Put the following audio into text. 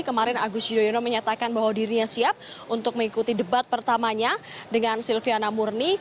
kemarin agus yudhoyono menyatakan bahwa dirinya siap untuk mengikuti debat pertamanya dengan silviana murni